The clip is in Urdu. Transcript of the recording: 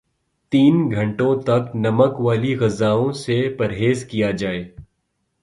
تین گھنٹوں تک نمک والی غذاوں سے پرہیز کیا جائے